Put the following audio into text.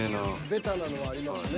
ベタなのはありますね。